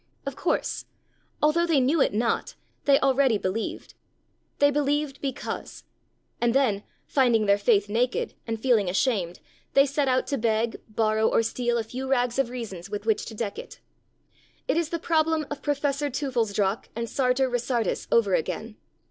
Of course! Although they knew it not, they already believed. They believed because. And then, finding their faith naked, and feeling ashamed, they set out to beg, borrow, or steal a few rags of reasons with which to deck it. It is the problem of Professor Teufelsdrockh and Sartor Resartus over again.